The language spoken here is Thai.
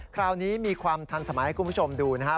คราวนี้มีความทันสมัยให้คุณผู้ชมดูนะครับ